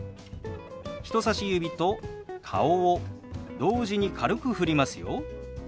人さし指と顔を同時に軽くふりますよ。